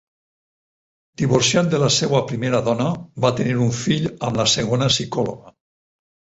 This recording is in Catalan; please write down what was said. Divorciat de la seva primera dona, va tenir un fill amb la segona, psicòloga.